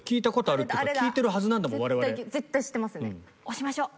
押しましょう。